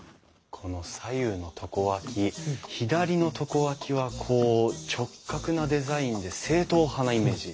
この左右の床脇左の床脇は直角なデザインで正統派なイメージ。